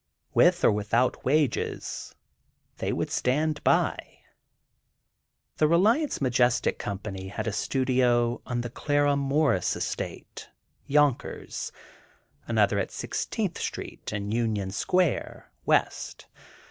With or without wages, they would stand by. The Reliance Majestic Company had a studio on the Clara Morris estate, Yonkers; another at Sixteenth Street and Union Square, West.